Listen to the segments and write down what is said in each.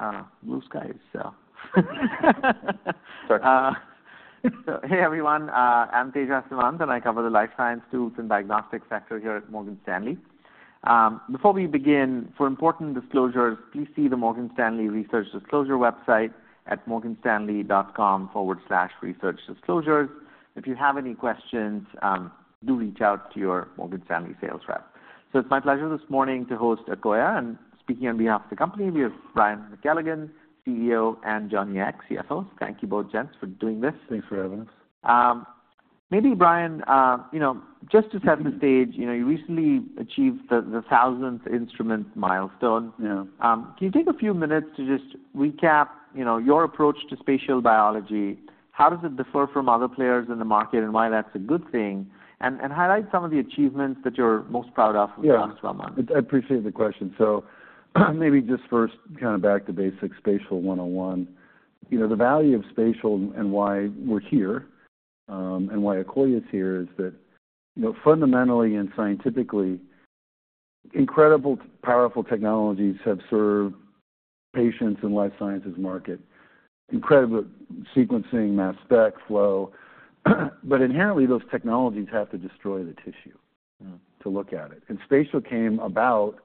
All right, blue skies, so hey, everyone, I'm Tejas Savant, and I cover the Life Sciences Tools and Diagnostics sector here at Morgan Stanley. Before we begin, for important disclosures, please see the Morgan Stanley Research Disclosure website at morganstanley.com/researchdisclosures. If you have any questions, do reach out to your Morgan Stanley sales rep. It's my pleasure this morning to host Akoya, and speaking on behalf of the company, we have Brian McKelligon, CEO, and Johnny Ek, CFO. Thank you both, gents, for doing this. Thanks for having us. Maybe, Brian, you know, just to set the stage, you know, you recently achieved the thousandth instrument milestone. Yeah. Can you take a few minutes to just recap, you know, your approach to spatial biology? How does it differ from other players in the market and why that's a good thing? And highlight some of the achievements that you're most proud of? Yeah. In the last 12 months. I appreciate the question. So maybe just first, kind of back to basics, Spatial 101. You know, the value of spatial and why we're here, and why Akoya is here is that, you know, fundamentally and scientifically, incredible, powerful technologies have served patients in Life Sciences market, incredible sequencing, Mass Spec, flow. But inherently, those technologies have to destroy the tissue- Mm-hmm. to look at it. And spatial came about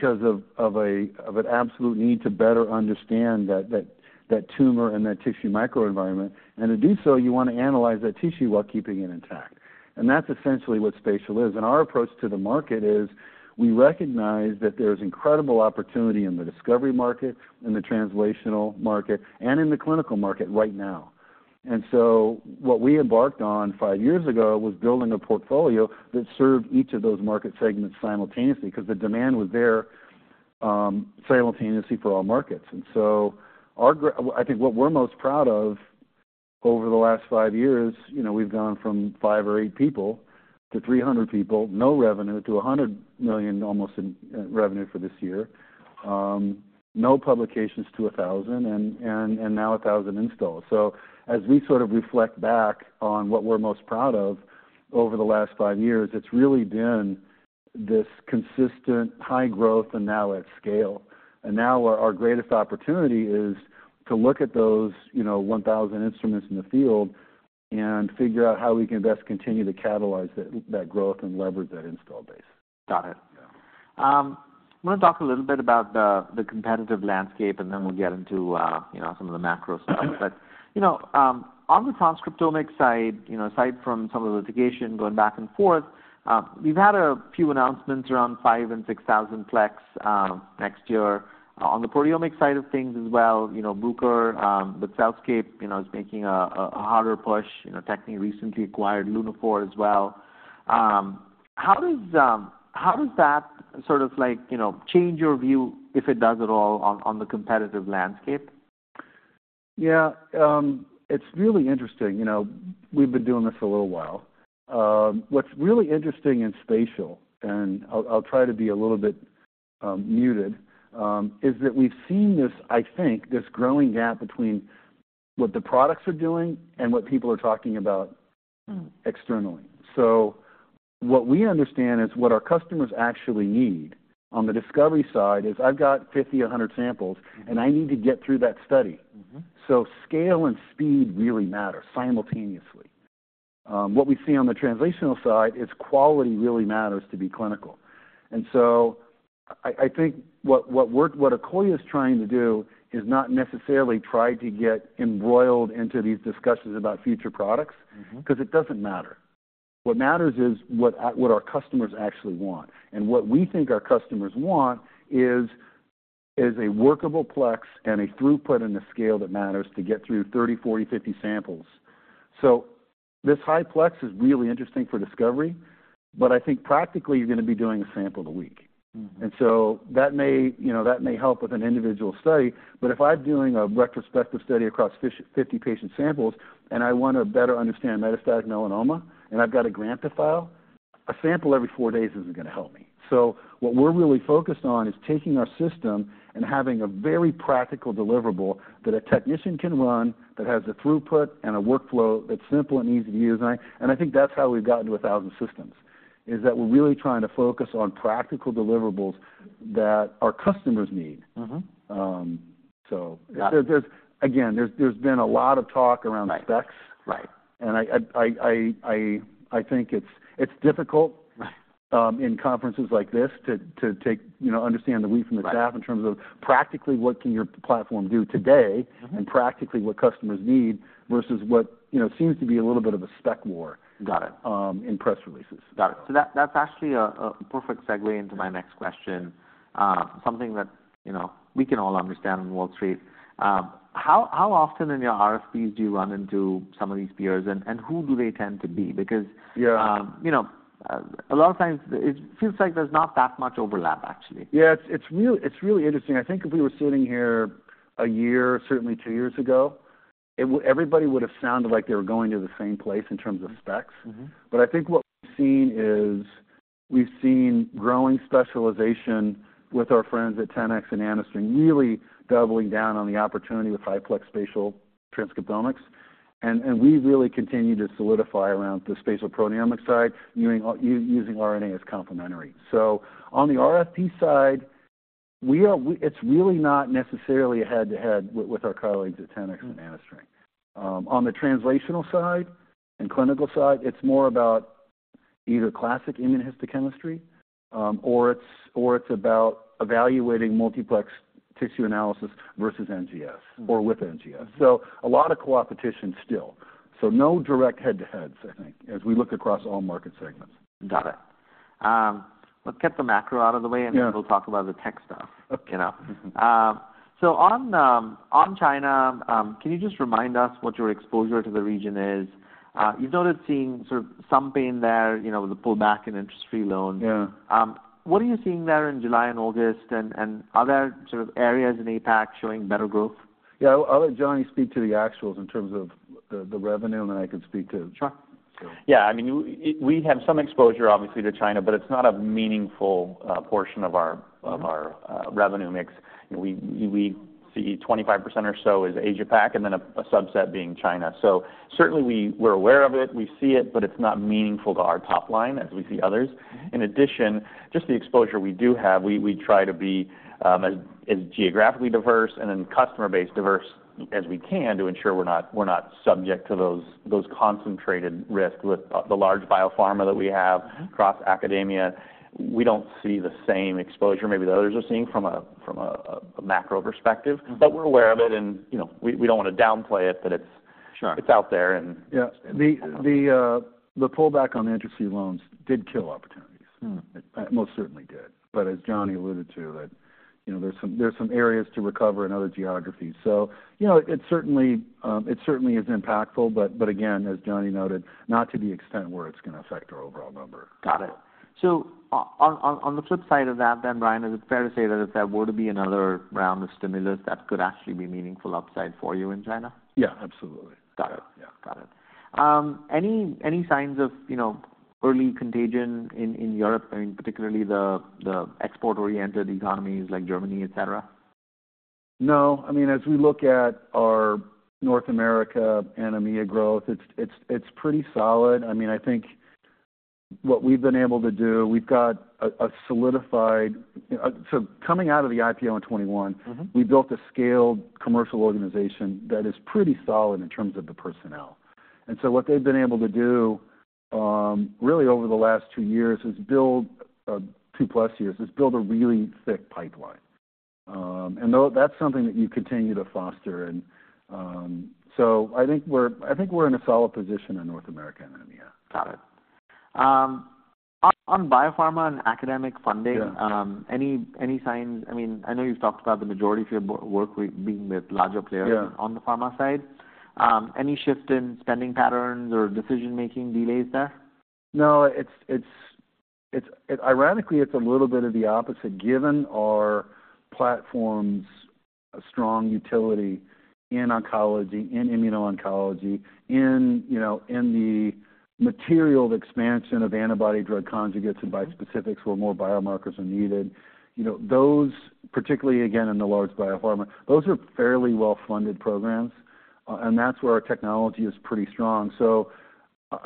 because of an absolute need to better understand that tumor and that tissue microenvironment. And to do so, you want to analyze that tissue while keeping it intact, and that's essentially what spatial is. And our approach to the market is, we recognize that there's incredible opportunity in the Discovery market and the Translational market and in the Clinical market right now. And so what we embarked on five years ago was building a portfolio that served each of those market segments simultaneously, 'cause the demand was there simultaneously for all markets. And so I think what we're most proud of over the last five years, you know, we've gone from five or eight people to 300 people, no revenue to almost $100 million in revenue for this year. No publications to 1,000, and now 1,000 installs. So as we sort of reflect back on what we're most proud of over the last five years, it's really been this consistent high growth and now at scale. And now our greatest opportunity is to look at those, you know, 1,000 instruments in the field and figure out how we can best continue to catalyze that growth and leverage that Install Base. Got it. Yeah. I wanna talk a little bit about the competitive landscape, and then we'll get into, you know, some of the macro stuff. Mm-hmm. But, you know, on the transcriptomics side, you know, aside from some of the litigation going back and forth, we've had a few announcements around 5,000- and 6,000-plex next year. On the proteomics side of things as well, you know, Bruker, but CellScape, you know, is making a harder push. You know, Tecan recently acquired Lunaphore as well. How does that sort of like, you know, change your view, if it does at all, on the competitive landscape? Yeah, it's really interesting. You know, we've been doing this for a little while. What's really interesting in spatial, and I'll try to be a little bit muted, is that we've seen this, I think, this growing gap between what the products are doing and what people are talking about- Mm-hmm.... externally. So what we understand is what our customers actually need on the Discovery side is: I've got 50, 100 samples- Mm-hmm. And I need to get through that study. Mm-hmm. So scale and speed really matter simultaneously. What we see on the Translational side is quality really matters to be Clinical. So I think what Akoya is trying to do is not necessarily try to get embroiled into these discussions about future products- Mm-hmm.... 'cause it doesn't matter. What matters is what our customers actually want. And what we think our customers want is a workable plex and a throughput in the scale that matters to get through 30, 40, 50 samples. So this high plex is really interesting for Discovery, but I think practically, you're gonna be doing a sample a week. Mm-hmm. And so that may, you know, that may help with an individual study, but if I'm doing a retrospective study across 50 patient samples, and I wanna better understand metastatic melanoma, and I've got a grant to file, a sample every four days isn't gonna help me. So what we're really focused on is taking our system and having a very practical deliverable that a technician can run, that has the throughput and a workflow that's simple and easy to use. And I, and I think that's how we've gotten to 1,000 systems, is that we're really trying to focus on practical deliverables that our customers need. Mm-hmm. Um, so- Got it. Again, there's been a lot of talk around- Right.... specs. Right. I think it's difficult- Right.... in conferences like this to take, you know, understand the wheat from- Right.... the chaff, in terms of practically, what can your platform do today? Mm-hmm.... and practically, what customers need, versus what, you know, seems to be a little bit of a spec war- Got it.... in press releases. Got it. So that's actually a perfect segue into my next question, something that, you know, we can all understand on Wall Street. How often in your RFPs do you run into some of these peers, and who do they tend to be? Because- Yeah.... you know, a lot of times it feels like there's not that much overlap, actually. Yeah, it's really interesting. I think if we were sitting here a year, certainly two years ago, it would—everybody would have sounded like they were going to the same place in terms of specs. Mm-hmm. But I think what we've seen is, we've seen growing specialization with our friends at 10x and NanoString, really doubling down on the opportunity with high-plex spatial transcriptomics. And we really continue to solidify around the spatial proteomics side, using RNA as complementary. So on the RFP side, we are, we, it's really not necessarily a head-to-head with our colleagues at 10x and NanoString. On the Translational side and Clinical side, it's more about either classic immunohistochemistry, or it's about evaluating multiplex tissue analysis versus NGS or with NGS. So a lot of cooperation still. So no direct head-to-heads, I think, as we look across all market segments. Got it. Let's get the macro out of the way- Yeah. And then we'll talk about the tech stuff. Okay. You know? So on, on China, can you just remind us what your exposure to the region is? You've noted seeing sort of some pain there, you know, with the pullback in interest-free loans. Yeah. What are you seeing there in July and August, and are there sort of areas in APAC showing better growth? Yeah, I'll let Johnny speak to the actuals in terms of the revenue, and then I can speak to- Sure. So... Yeah, I mean, we have some exposure, obviously, to China, but it's not a meaningful portion of our, of our, Mm-hmm. Revenue mix. We see 25% or so as Asia Pac, and then a subset being China. So certainly we're aware of it, we see it, but it's not meaningful to our top line as we see others. In addition, just the exposure we do have, we try to be as geographically diverse and then customer base diverse as we can to ensure we're not subject to those concentrated risks with the large biopharma that we have- Mm-hmm. -across academia. We don't see the same exposure maybe the others are seeing from a macro perspective. Mm-hmm. But we're aware of it, and, you know, we don't want to downplay it, but it's- Sure.... it's out there, and- Yeah. And, um. The pullback on the interest-free loans did kill opportunities. Hmm. It most certainly did. But as Johnny alluded to it, you know, there's some areas to recover in other geographies. So you know, it certainly is impactful, but again, as Johnny noted, not to the extent where it's gonna affect our overall number. Got it. So on the flip side of that, then, Brian, is it fair to say that if there were to be another round of stimulus, that could actually be meaningful upside for you in China? Yeah, absolutely. Got it. Yeah. Got it. Any signs of, you know, early contagion in Europe, I mean, particularly the export-oriented economies like Germany, etc.? No. I mean, as we look at our North America and EMEA growth, it's pretty solid. I mean, I think what we've been able to do, we've got a solidified... So coming out of the IPO in 2021- Mm-hmm. We built a scaled commercial organization that is pretty solid in terms of the personnel. So what they've been able to do, really over the last two years is build, two plus years, is build a really thick pipeline. Though that's something that you continue to foster, so I think we're in a solid position in North America and EMEA. Got it. On biopharma and academic funding- Yeah.... any signs? I mean, I know you've talked about the majority of your business being with larger players- Yeah. -on the pharma side. Any shift in spending patterns or decision-making delays there? No, it's ironically a little bit of the opposite, given our platform's strong utility in oncology, in immuno-oncology, you know, in the material expansion of antibody-drug conjugates and bispecifics, where more biomarkers are needed. You know, those, particularly again, in the Large Biopharma, those are fairly well-funded programs, and that's where our technology is pretty strong. So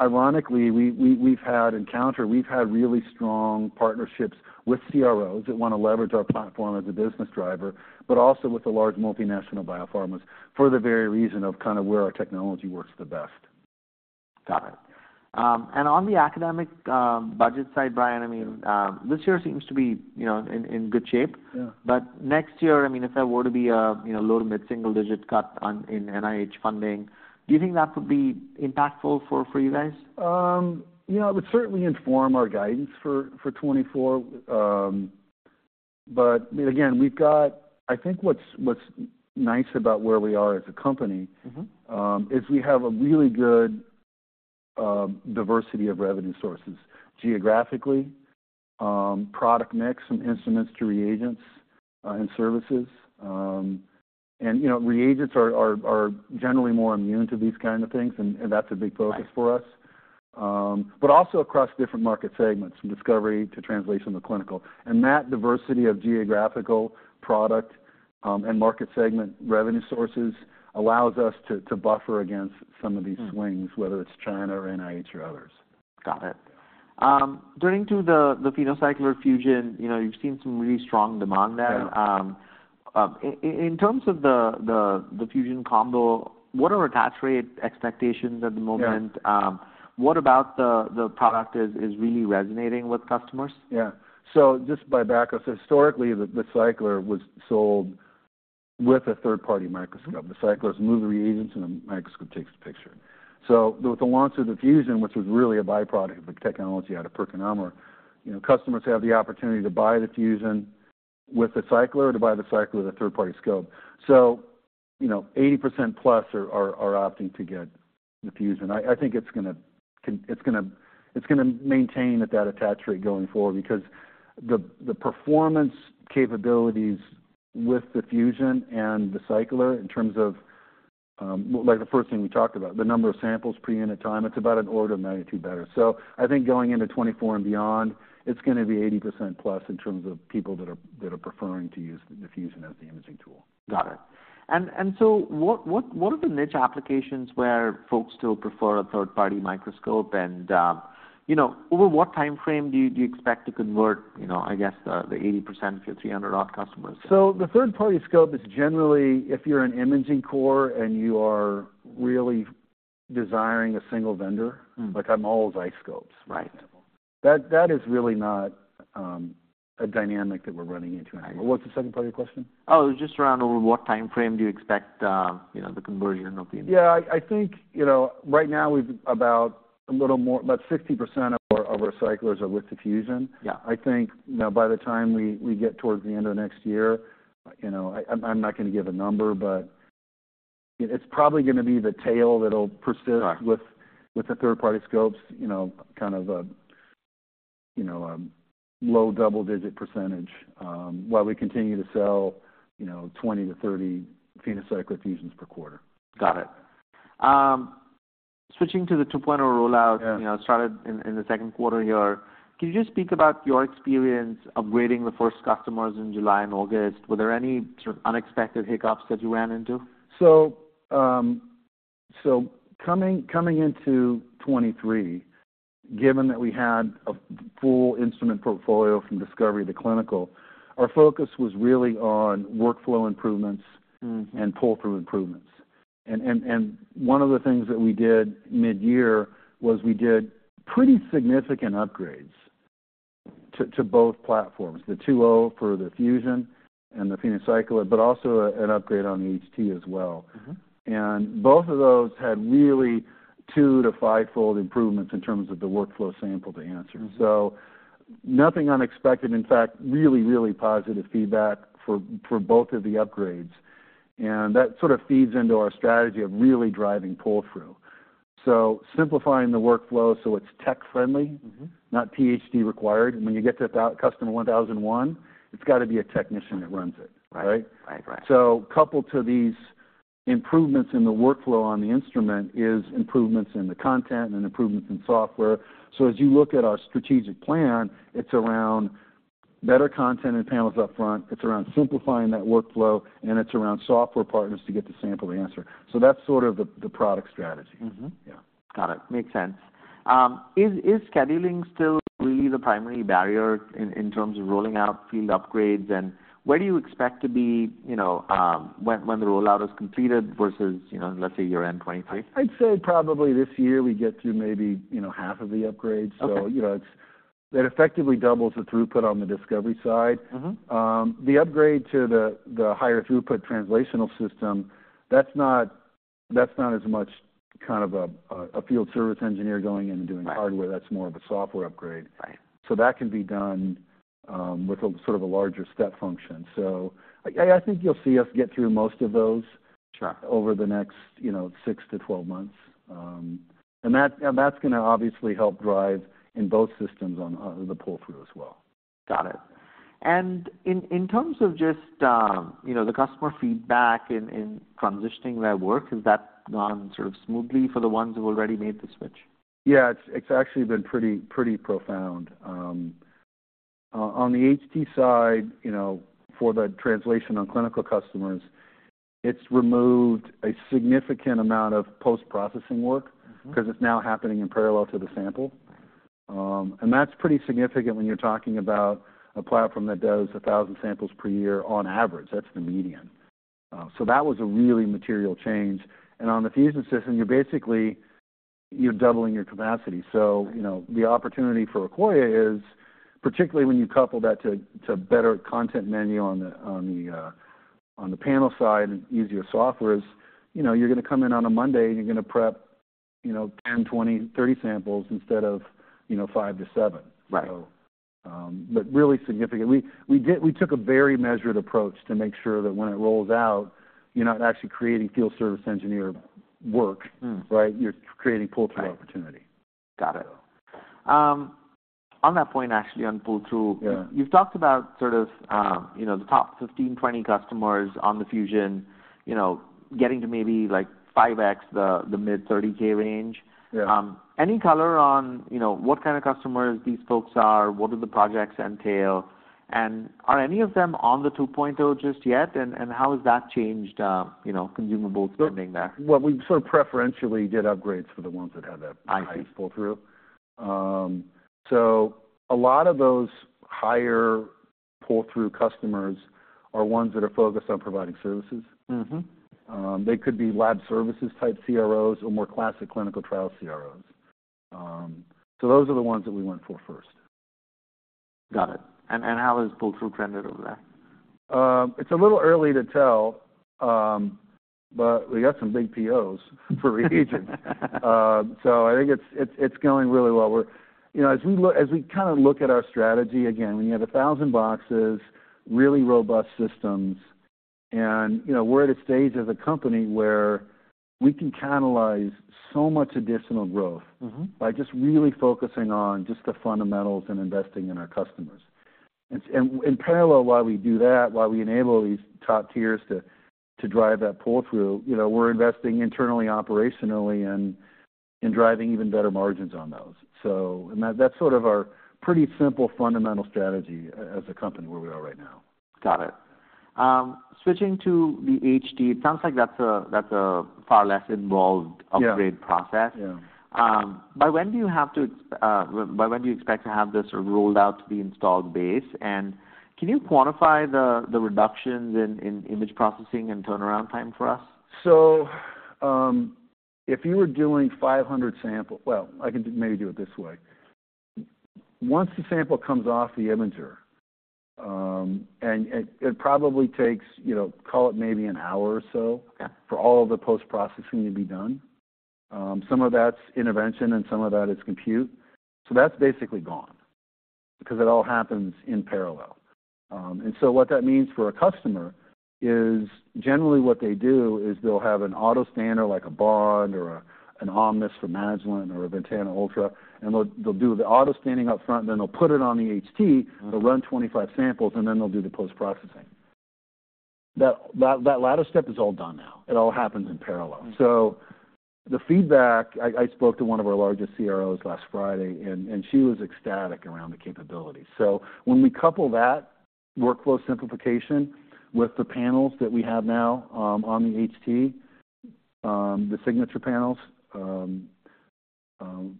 ironically, we've had really strong partnerships with CROs that wanna leverage our platform as a business driver, but also with the large multinational biopharmas, for the very reason of kind of where our technology works the best. Got it. And on the academic budget side, Brian, I mean- Yeah.... this year seems to be, you know, in good shape. Yeah. Next year, I mean, if there were to be a, you know, low to mid-single-digit cut in NIH funding, do you think that would be impactful for you guys? Yeah, it would certainly inform our guidance for 2024. But again, we've got... I think what's nice about where we are as a company- Mm-hmm.... is we have a really good diversity of revenue sources. Geographically, product mix, from instruments to reagents, and services. And, you know, reagents are generally more immune to these kind of things, and that's a big focus for us. Right. But also across different market segments, from Discovery to Translation to Clinical. And that diversity of geographical product, and market segment revenue sources allows us to buffer against some of these- Hmm.... swings, whether it's China or NIH or others. Got it. Turning to the PhenoCycler-Fusion, you know, you've seen some really strong demand there. Yeah. In terms of the Fusion combo, what are attach rate expectations at the moment? Yeah. What about the product is really resonating with customers? Yeah. So just by background, historically, the cycler was sold with a third-party microscope. The cyclers move the reagents, and the microscope takes the picture. So with the launch of the Fusion, which was really a byproduct of the technology out of PerkinElmer, you know, customers have the opportunity to buy the Fusion with the cycler or to buy the cycler with a third-party scope. So, you know, 80%+ are opting to get the Fusion. I think it's gonna maintain at that attach rate going forward, because the performance capabilities with the Fusion and the cycler, in terms of, like the first thing we talked about, the number of samples per unit time, it's about an order of magnitude better. I think going into 2024 and beyond, it's gonna be 80%+ in terms of people that are, that are preferring to use the Fusion as the imaging tool. Got it. And so what are the niche applications where folks still prefer a third-party microscope? And, you know, over what time frame do you expect to convert, you know, I guess, the 80% of your 300-odd customers? The third-party scope is generally, if you're an imaging core and you are really desiring a single vendor- Mm. Like, I'm all ZEISS scopes. Right. That, that is really not a dynamic that we're running into anymore. Got it. What's the second part of your question? Oh, it was just around over what time frame do you expect, you know, the conversion of the- Yeah, I think, you know, right now, about 60% of our cyclers are with Fusion. Yeah. I think, you know, by the time we get towards the end of next year, you know, I'm not going to give a number, but it's probably gonna be the tail that'll persist- Got it.... with the third-party scopes, you know, kind of a, you know, a low double-digit percentage, while we continue to sell, you know, 20-30 PhenoCycler-Fusions per quarter. Got it. Switching to the 2.0 rollout- Yeah. You know, started in the second quarter here. Can you just speak about your experience upgrading the first customers in July and August? Were there any sort of unexpected hiccups that you ran into? Coming into 2023, given that we had a full instrument portfolio from Discovery to Clinical, our focus was really on workflow improvements. Mm-hmm... and pull-through improvements. And one of the things that we did mid-year was we did pretty significant upgrades to both platforms, the 2.0 for the Fusion and the PhenoCycler, but also an upgrade on the HT as well. Mm-hmm. Both of those had really two- to five-fold improvements in terms of the workflow sample to answer. Mm-hmm. So nothing unexpected, in fact, really, really positive feedback for both of the upgrades, and that sort of feeds into our strategy of really driving pull-through. So simplifying the workflow, so it's tech-friendly- Mm-hmm.... not PhD required. When you get to about customer 1,001, it's got to be a technician that runs it. Right. Right? Right. Right. So coupled to these improvements in the workflow on the instrument is improvements in the content and improvements in software. So as you look at our strategic plan, it's around better content and panels upfront, it's around simplifying that workflow, and it's around software partners to get the sample answer. So that's sort of the, the product strategy. Mm-hmm. Yeah. Got it. Makes sense. Is scheduling still really the primary barrier in terms of rolling out field upgrades? And where do you expect to be, you know, when the rollout is completed versus, you know, let's say, year-end 2023? I'd say probably this year we get to maybe, you know, half of the upgrades. Okay. So, you know, it's that effectively doubles the throughput on the Discovery side. Mm-hmm. The upgrade to the higher throughput Translational system, that's not as much kind of a field service engineer going in and doing- Right.... hardware. That's more of a software upgrade. Right. So that can be done with a sort of a larger step function. So I think you'll see us get through most of those- Sure.... over the next, you know, six-12 months. And that, and that's gonna obviously help drive in both systems on the pull-through as well. Got it. In terms of just, you know, the customer feedback in transitioning their work, has that gone sort of smoothly for the ones who already made the switch? Yeah, it's actually been pretty profound. On the HT side, you know, for the translation on Clinical customers, it's removed a significant amount of post-processing work- Mm-hmm.... 'cause it's now happening in parallel to the sample. And that's pretty significant when you're talking about a platform that does 1,000 samples per year on average. That's the median. So that was a really material change. And on the Fusion system, you're basically, you're doubling your capacity. So- Right.... you know, the opportunity for Akoya is, particularly when you couple that to, to better content menu on the, on the, on the panel side and easier softwares, you know, you're gonna come in on a Monday, and you're gonna prep, you know, 10, 20, 30 samples instead of, you know, five to seven. Right. So, but really significantly... We took a very measured approach to make sure that when it rolls out, you're not actually creating field service engineer work- Mm. -right? You're creating pull-through opportunity. Got it. So. On that point, actually, on pull-through- Yeah.... you've talked about sort of, you know, the top 15, 20 customers on the Fusion, you know, getting to maybe like 5x, the mid-30K range. Yeah. Any color on, you know, what kind of customers these folks are? What do the projects entail? And are any of them on the 2.0 just yet, and how has that changed, you know, consumable spending there? Well, we sort of preferentially did upgrades for the ones that had the- I see.... highest pull-through. So a lot of those higher pull-through customers are ones that are focused on providing services. Mm-hmm. They could be lab services type CROs or more classic clinical trial CROs. So those are the ones that we went for first. Got it. And how has pull-through trended over there? It's a little early to tell, but we got some big POs for reagents. So I think it's going really well. We're, you know, as we kind of look at our strategy again, we have 1,000 boxes, really robust systems, and, you know, we're at a stage as a company where we can catalyze so much additional growth- Mm-hmm. ...by just really focusing on just the fundamentals and investing in our customers. In parallel while we do that, while we enable these top tiers to drive that pull-through, you know, we're investing internally, operationally, and in driving even better margins on those. So, that's sort of our pretty simple fundamental strategy as a company, where we are right now. Got it. Switching to the HT, it sounds like that's a, that's a far less involved- Yeah. -upgrade process. Yeah. By when do you expect to have this sort of rolled out to the installed base? And can you quantify the reductions in image processing and turnaround time for us? So, if you were doing 500 samples... Well, I can maybe do it this way. Once the sample comes off the imager, and it probably takes, you know, call it maybe an hour or so- Yeah. -for all the post-processing to be done. Some of that's intervention, and some of that is compute. So that's basically gone because it all happens in parallel. And so what that means for a customer is, generally what they do is they'll have an autostainer, like a BOND or a, an Omnis from Agilent or a Ventana Ultra, and they'll, they'll do the autostaining up front, and then they'll put it on the HT. Mm-hmm. They'll run 25 samples, and then they'll do the post-processing. That latter step is all done now. It all happens in parallel. Mm-hmm. So the feedback... I spoke to one of our largest CROs last Friday, and she was ecstatic around the capability. So when we couple that workflow simplification with the panels that we have now, on the HT, the Signature Panels,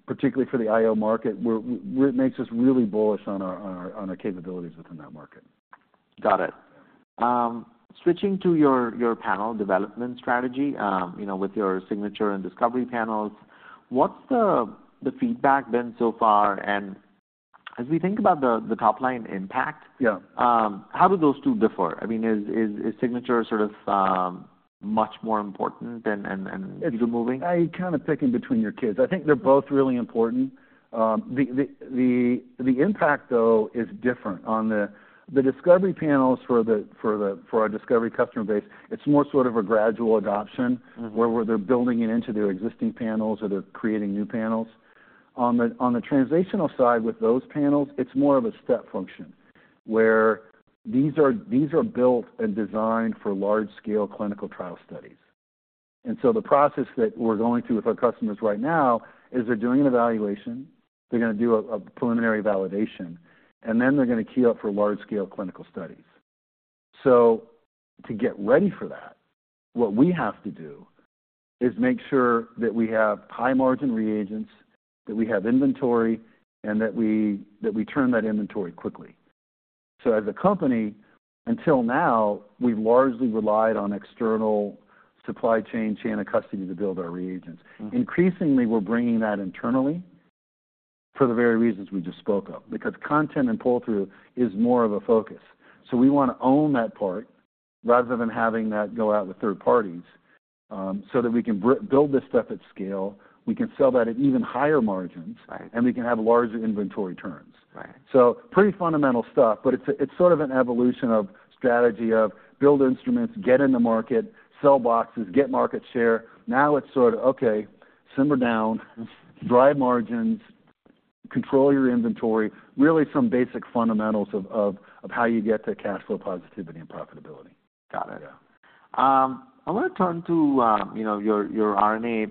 particularly for the IO market, it makes us really bullish on our capabilities within that market. Got it. Switching to your panel development strategy, you know, with your Signature and Discovery panels, what's the feedback been so far? And as we think about the top-line impact- Yeah.... how do those two differ? I mean, is Signature sort of much more important than and easy moving? I kind of picking between your kids. I think they're both really important. The impact, though, is different. On the Discovery Panels for our Discovery customer base, it's more sort of a gradual adoption- Mm-hmm. -where they're building it into their existing panels, or they're creating new panels. On the Translational side, with those panels, it's more of a step function, where these are built and designed for large-scale clinical trial studies. And so the process that we're going through with our customers right now is, they're doing an evaluation, they're gonna do a preliminary validation, and then they're gonna queue up for large-scale clinical studies. So to get ready for that, what we have to do is make sure that we have high-margin reagents, that we have inventory, and that we turn that inventory quickly. So as a company, until now, we've largely relied on external supply chain, chain of custody to build our reagents. Mm-hmm. Increasingly, we're bringing that internally for the very reasons we just spoke of, because content and pull-through is more of a focus. So we wanna own that part, rather than having that go out with third parties, so that we can build this stuff at scale, we can sell that at even higher margins- Right. and we can have larger inventory turns. Right. Pretty fundamental stuff, but it's, it's sort of an evolution of strategy, of build instruments, get in the market, sell boxes, get market share. Now, it's sort of, okay, simmer down. Mm. -drive margins, control your inventory. Really some basic fundamentals of how you get to cash flow positivity and profitability. Got it. Yeah. I want to turn to, you know, your RNA,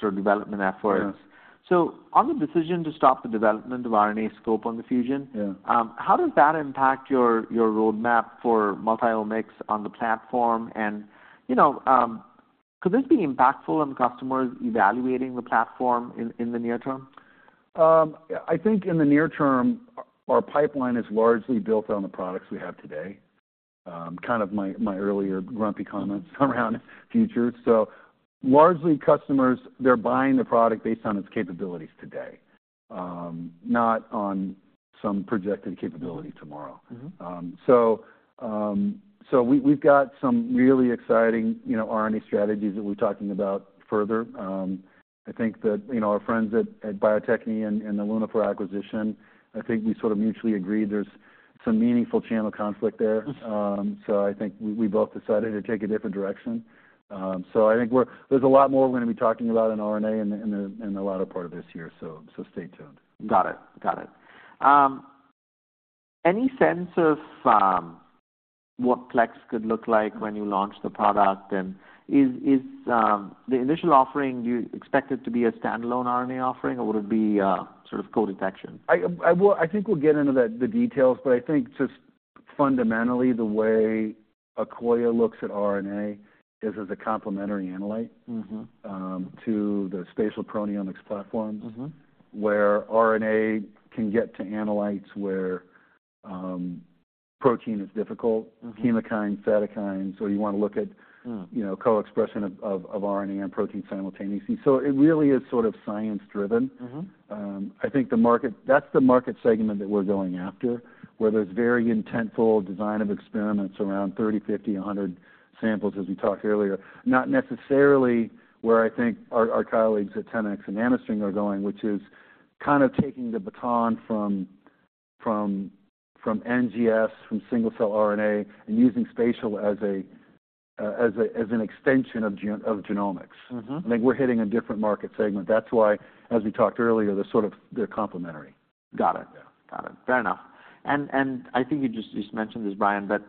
sort of development efforts. Yeah. On the decision to stop the development of RNAscope on the Fusion- Yeah.... how does that impact your, your roadmap for multiomics on the platform? And, you know, could this be impactful on the customers evaluating the platform in, in the near term? I think in the near term, our pipeline is largely built on the products we have today. Kind of my earlier grumpy comments around future. So largely, customers, they're buying the product based on its capabilities today, not on some projected capability tomorrow. Mm-hmm. So we, we've got some really exciting, you know, RNA strategies that we're talking about further. I think that, you know, our friends at, at Bio-Techne and the Lunaphore acquisition, I think we sort of mutually agreed there's some meaningful channel conflict there. Mm-hmm. So I think we both decided to take a different direction. So I think there's a lot more we're gonna be talking about in RNA in the latter part of this year, so stay tuned. Got it. Got it. Any sense of what plex could look like when you launch the product? And is the initial offering, do you expect it to be a standalone RNA offering, or would it be a sort of co-detection? I will... I think we'll get into the details, but I think just fundamentally, the way Akoya looks at RNA is as a complementary analyte- Mm-hmm.... to the spatial proteomics platform- Mm-hmm. where RNA can get to analytes where protein is difficult. Mm-hmm. Chemokines, cytokines, or you want to look at- Mm. You know, co-expression of RNA and protein simultaneously. So it really is sort of science driven. Mm-hmm. I think the market, that's the market segment that we're going after, where there's very intentful design of experiments around 30, 50, 100 samples, as we talked earlier. Not necessarily where I think our colleagues at 10x and NanoString are going, which is kind of taking the baton from NGS, from single-cell RNA, and using spatial as an extension of genomics. Mm-hmm. I think we're hitting a different market segment. That's why, as we talked earlier, they're sort of, they're complementary. Got it. Yeah. Got it. Fair enough. And I think you just mentioned this, Brian, but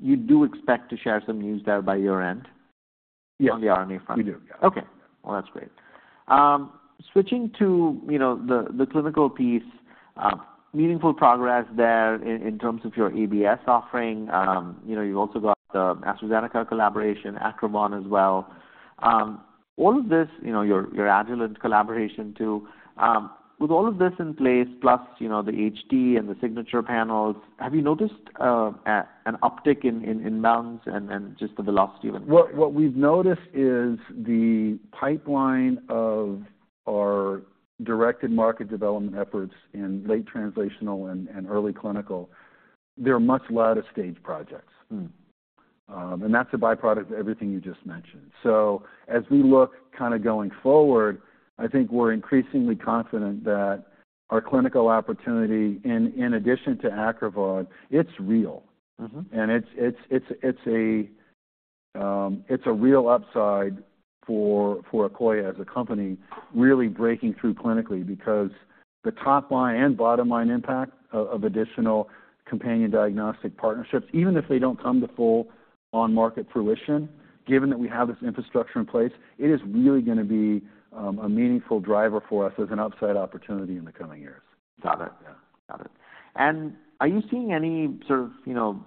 you do expect to share some news there by your end- Yes. -on the RNA front? We do, yeah. Okay. Well, that's great. Switching to, you know, the clinical piece, meaningful progress there in terms of your ABS offering. You know, you've also got the AstraZeneca collaboration, Acrivon as well. All of this, you know, your Agilent collaboration, too. With all of this in place, plus, you know, the HT and the Signature Panels, have you noticed an uptick inbounds and just the velocity of it? What we've noticed is the pipeline of our directed market development efforts in late Translational and early Clinical. There are much later stage projects. Hmm. And that's a byproduct of everything you just mentioned. So as we look kind of going forward, I think we're increasingly confident that our Clinical opportunity, in addition to Acrivon, it's real. Mm-hmm. It's a real upside for Akoya as a company, really breaking through clinically. Because the top-line and bottom-line impact of additional Companion Diagnostic partnerships, even if they don't come to full on-market fruition, given that we have this infrastructure in place, it is really gonna be a meaningful driver for us as an upside opportunity in the coming years. Got it. Yeah. Got it. And are you seeing any sort of, you know,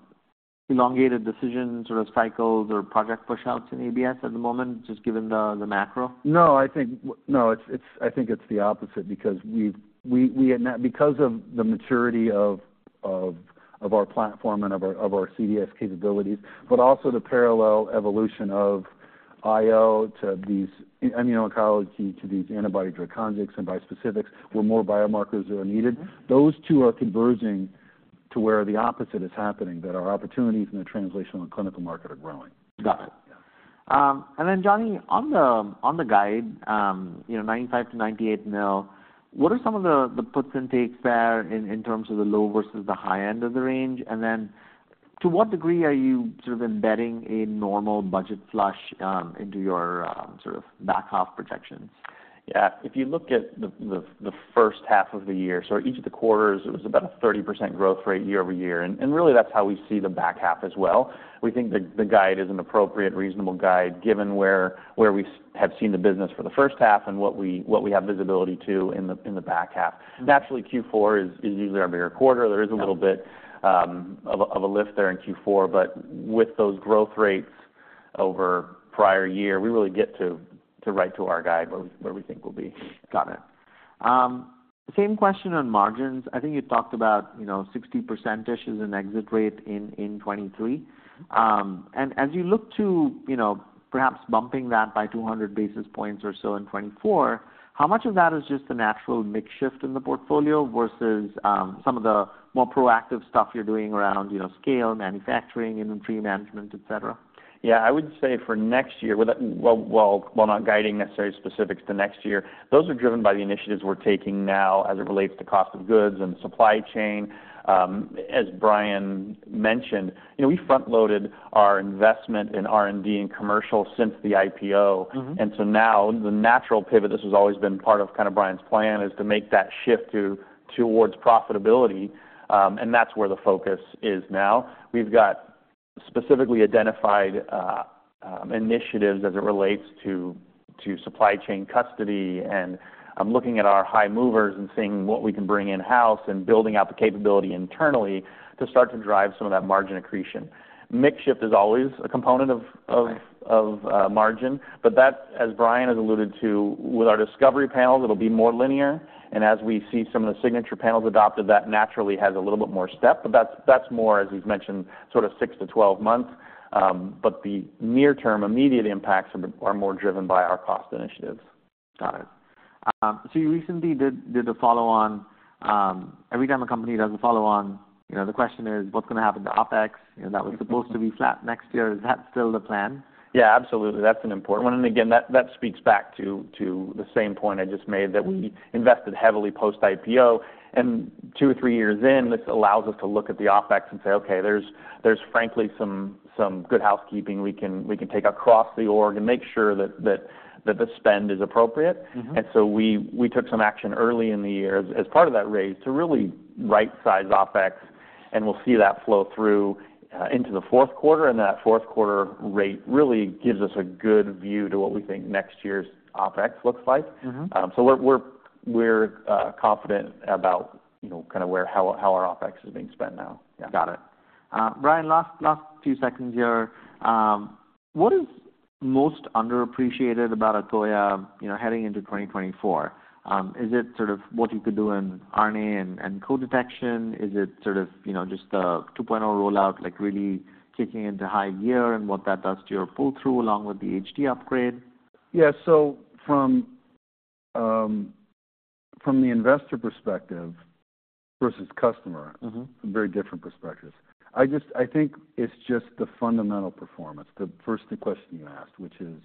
elongated decision sort of cycles or project pushouts in ABS at the moment, just given the macro? No, I think it's the opposite because of the maturity of our platform and of our CDx capabilities, but also the parallel evolution of IO to these immuno-oncology, to these antibody-drug conjugates and bispecifics, where more biomarkers are needed. Mm-hmm. Those two are converging to where the opposite is happening, that our opportunities in the Translational and Clinical market are growing. Got it. Yeah. And then, Johnny, on the guide, you know, $95 million-$98 million, what are some of the puts and takes there in terms of the low versus the high end of the range? And then, to what degree are you sort of embedding a normal budget flush into your sort of back half projections? Yeah. If you look at the first half of the year, so each of the quarters, it was about a 30% growth rate year over year. And really, that's how we see the back half as well. We think the guide is an appropriate, reasonable guide, given where we have seen the business for the first half and what we have visibility to in the back half. Naturally, Q4 is usually our bigger quarter. Yeah. There is a little bit of a lift there in Q4, but with those growth rates over prior year, we really get to write to our guide where we think we'll be. Got it. Same question on margins. I think you talked about, you know, 60%-ish as an exit rate in 2023. And as you look to, you know, perhaps bumping that by 200 basis points or so in 2024, how much of that is just a natural mix shift in the portfolio versus some of the more proactive stuff you're doing around, you know, scale, manufacturing, inventory management, etc.? Yeah, I would say for next year. Well, while not guiding necessarily specifics to next year, those are driven by the initiatives we're taking now as it relates to cost of goods and supply chain. As Brian mentioned, you know, we front-loaded our investment in R&D and commercial since the IPO. Mm-hmm. And so now, the natural pivot, this has always been part of kind of Brian's plan, is to make that shift towards profitability, and that's where the focus is now. We've got specifically identified initiatives as it relates to supply chain custody, and I'm looking at our high movers and seeing what we can bring in-house and building out the capability internally to start to drive some of that margin accretion. Mix shift is always a component of- Right.... of margin, but that, as Brian has alluded to, with our Discovery Panels, it'll be more linear. And as we see some of the Signature Panels adopted, that naturally has a little bit more step, but that's more, as we've mentioned, sort of six-12 months. But the near-term, immediate impacts are more driven by our cost initiatives. Got it. You recently did a follow-on. Every time a company does a follow-on, you know, the question is, what's gonna happen to OpEx? You know, that was supposed to be flat next year. Is that still the plan? Yeah, absolutely. That's an important one. And again, that speaks back to the same point I just made, that we invested heavily post-IPO. And two or three years in, this allows us to look at the OpEx and say, "Okay, there's frankly some good housekeeping we can take across the org and make sure that the spend is appropriate. Mm-hmm. And so we took some action early in the year as part of that raise to really rightsize OpEx, and we'll see that flow through into the fourth quarter, and that fourth quarter rate really gives us a good view to what we think next year's OpEx looks like. Mm-hmm. So we're confident about, you know, kind of where, how our OpEx is being spent now. Yeah. Got it. Brian, last few seconds here. What is most underappreciated about Akoya, you know, heading into 2024? Is it sort of what you could do in RNA and co-detection? Is it sort of, you know, just the 2.0 rollout, like, really kicking into high gear and what that does to your pull-through, along with the HT upgrade? Yeah. So from the investor perspective versus customer- Mm-hmm.... very different perspectives. I just, I think it's just the fundamental performance, the first, the question you asked, which is,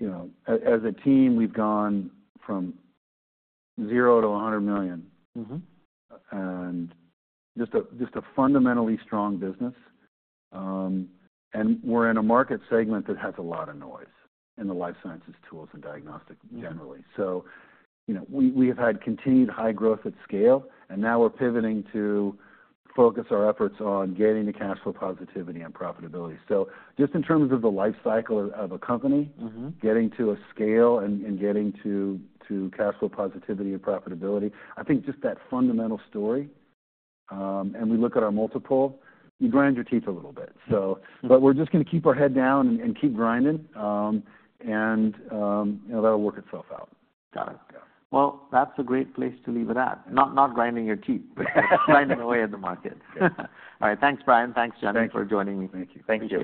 you know, as a team, we've gone from zero to $100 million. Mm-hmm. Just a fundamentally strong business. And we're in a market segment that has a lot of noise in the Life Sciences Tools and Diagnostics generally. Mm-hmm. So, you know, we have had continued high growth at scale, and now we're pivoting to focus our efforts on getting to cash flow positivity and profitability. So just in terms of the life cycle of a company- Mm-hmm.... getting to a scale and getting to cash flow positivity and profitability, I think just that fundamental story, and we look at our multiple, you grind your teeth a little bit, so. Mm-hmm. But we're just gonna keep our head down and keep grinding, and you know, that'll work itself out. Got it. Yeah. Well, that's a great place to leave it at. Not, not grinding your teeth... but grinding away at the market. All right, thanks, Brian. Thanks, Johnny. Thanks.... for joining me. Thank you. Thank you.